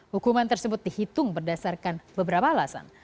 hukuman tersebut dihitung berdasarkan beberapa alasan